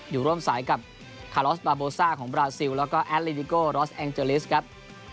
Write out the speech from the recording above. อยู่ร่วมสายกับของบราซิลแล้วก็ลอสแองเจลิสครับ